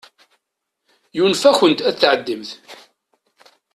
Yunef-akent ad tɛeddimt.